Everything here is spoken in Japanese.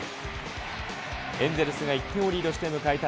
エンゼルスが１点をリードして、迎えた